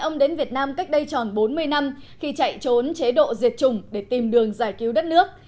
ông đến việt nam cách đây tròn bốn mươi năm khi chạy trốn chế độ diệt chủng để tìm đường giải cứu đất nước